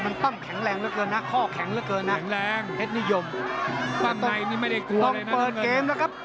ลองเปิดเกมล่ะครับ